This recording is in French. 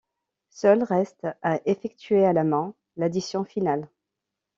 Seule reste à effectuer à la main l'addition finale.